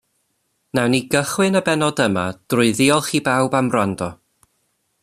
Nawn ni gychwyn y bennod yma drwy ddiolch i pawb am wrando.